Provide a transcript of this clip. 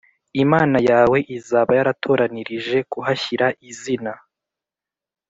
Imana yawe izaba yaratoranirije kuhashyira izina